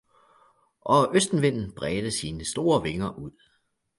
og Østenvinden bredte sine store vinger ud.